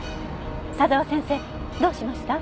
佐沢先生どうしました？